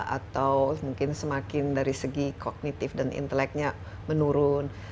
atau mungkin semakin dari segi kognitif dan inteleknya menurun